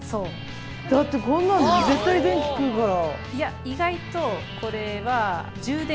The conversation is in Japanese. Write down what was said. だってこんなん絶対電気食うから。